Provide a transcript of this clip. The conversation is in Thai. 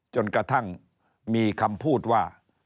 จนกระทั่งมีคำพูดว่า